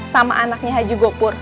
sama anaknya haji gopur